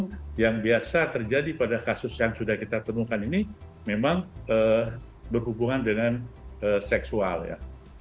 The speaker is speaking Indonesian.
jadi yang biasa terjadi pada kasus yang sudah kita temukan ini memang berhubungan dengan seksual ya